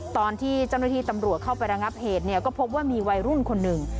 ตอนที่เจ้าหน้าที่ตำรวจเข้าไประงับเหตุเนี่ยก็พบว่ามีวัยรุ่นคนหนึ่ง